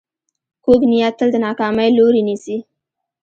کوږ نیت تل د ناکامۍ لوری نیسي